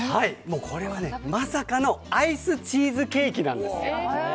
これは、まさかのアイスチーズケーキなんです。